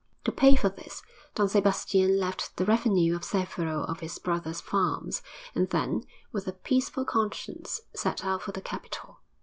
To pay for this, Don Sebastian left the revenue of several of his brother's farms, and then, with a peaceful conscience, set out for the capital.